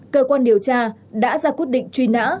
cơ quan điều tra đã ra quyết định truy nã